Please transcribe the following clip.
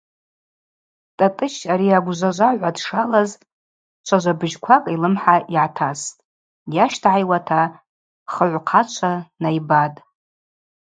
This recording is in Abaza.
Тӏатӏыщ ари агвжважвагӏва дшалаз чважвабыжьквакӏ йлымхӏа йгӏатастӏ, йащтагӏайуата хыгӏвхъачва найбатӏ.